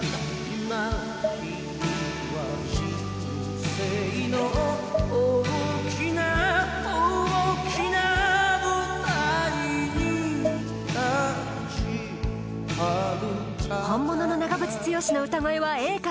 今君は人生の大きな大きな舞台に立ち遥か本物の長渕剛の歌声はＡか？